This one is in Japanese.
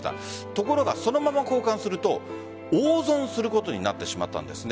ところが、そのまま交換すると大損することになってしまったんです。